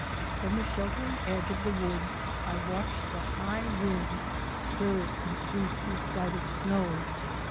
From the sheltering edge of the woods I watched the high wind stir and sweep the excited snow.